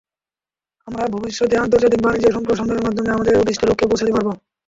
আমরা ভবিষ্যতে আন্তর্জাতিক বাণিজ্য সম্প্রসারণের মাধ্যমে আমাদের অভীষ্ট লক্ষ্যে পৌঁছাতে পারব।